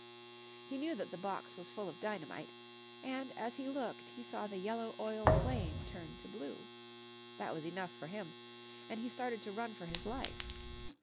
He knew that the box was full of dynamite, and as he looked he saw the yellow oil flame turn to blue. That was enough for him, and he started to run for his life.